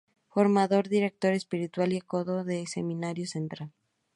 Formador, director espiritual y ecónomo del Seminario Central.